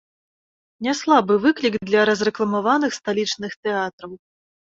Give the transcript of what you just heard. Няслабы выклік для разрэкламаваных сталічных тэатраў.